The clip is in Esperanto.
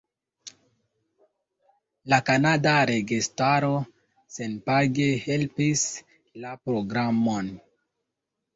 La kanada registaro senpage helpis la programon.